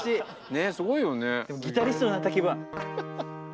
ねえすごいよね。